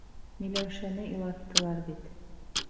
— Миләүшәне илаттылар бит.